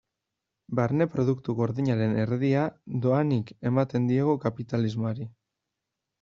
Barne Produktu Gordinaren erdia dohainik ematen diogu kapitalismoari.